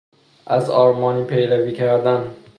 از آرمانی پیروی کردن